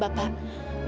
bapak kan yang wajar